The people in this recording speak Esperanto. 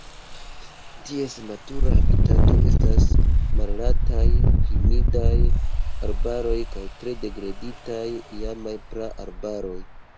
Ties natura habitato estas malaltaj humidaj arbaroj kaj tre degraditaj iamaj praarbaroj.